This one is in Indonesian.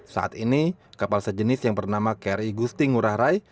saat ini kapal sejenis yang bernama kri gusti ngurah rai